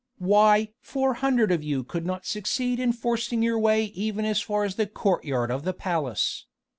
Why! four hundred of you would not succeed in forcing your way even as far as the courtyard of the palace.